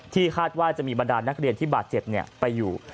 คาดว่าจะมีบรรดานักเรียนที่บาดเจ็บไปอยู่